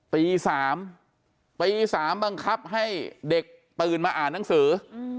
ตี๓ตี๓บังคับให้เด็กตื่นมาอ่านหนังสือ